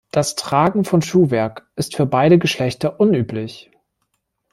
Das Tragen von Schuhwerk ist für beide Geschlechter unüblich.